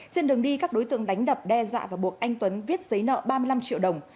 trên đường đi các đối tượng đánh đập đe dọa và buộc anh tuấn viết giấy nợ ba mươi năm triệu đồng